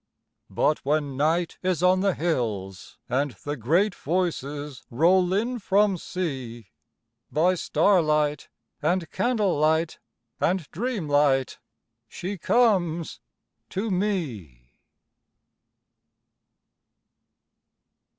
But when Night is on the hills, and the great Voices Roll in from Sea, By starlight and candle light and dreamlight She comes to me.